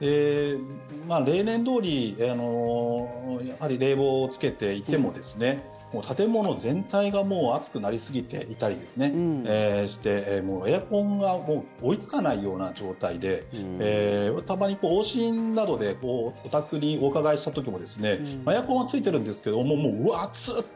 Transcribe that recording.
例年どおり冷房をつけていても建物全体がもう暑くなりすぎていたりしてエアコンがもう追いつかないような状態でたまに往診などでお宅にお伺いした時もエアコンはついてるんですけどもうわっ！